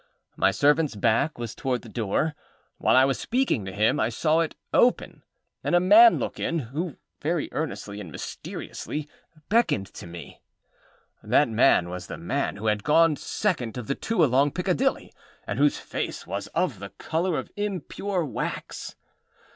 My servantâs back was towards that door. While I was speaking to him, I saw it open, and a man look in, who very earnestly and mysteriously beckoned to me. That man was the man who had gone second of the two along Piccadilly, and whose face was of the colour of impure wax.